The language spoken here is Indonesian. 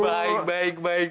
baik baik baik